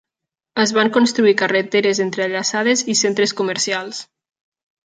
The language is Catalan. Es van construir carreteres entrellaçades i centres comercials.